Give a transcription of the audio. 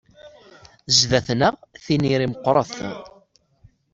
Zzat-neɣ tiniri meqqret.